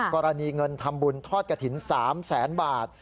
กรณีเงินทำบุญทอดกระถิ่น๓แสนบาท